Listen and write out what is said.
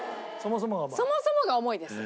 そもそもが重いです。